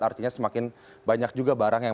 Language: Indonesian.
artinya semakin banyak juga barang yang